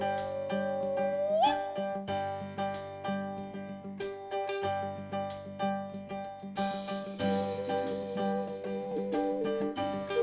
เป็นแบบนี้ไม่มีวันเปลี่ยนแปลก